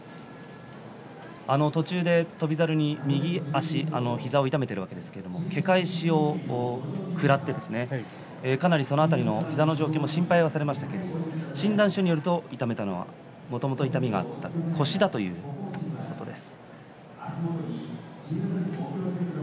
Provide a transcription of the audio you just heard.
途中、翔猿右膝を痛めているわけですがけ返しを食らってその辺りで膝の状況も心配されましたが診断書によると痛めたのはもともと痛みがあった腰だということです。